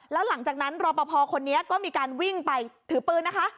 แล้วหลังจากนั้นรอปภคนนี้ก็มีการวิ่งไปถือปืนนะคะ